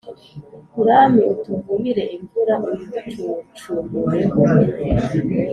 Mwami utuvubire imvura uyiducuncumureho